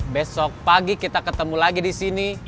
besok pagi kita ketemu lagi disini